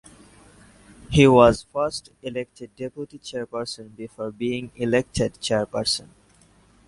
He was first elected deputy chairperson before being elected chairperson.